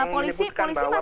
polisi masuk asn kan